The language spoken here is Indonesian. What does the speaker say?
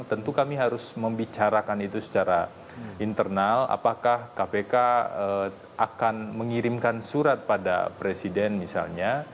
tentu kami harus membicarakan itu secara internal apakah kpk akan mengirimkan surat pada presiden misalnya